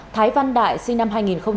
thái văn đại sinh năm hai nghìn ba